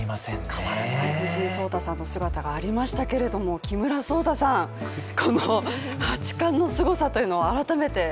変わらない藤井聡太さんの姿、ありましたけど木村草太さん、この八冠のすごさというのを改めて。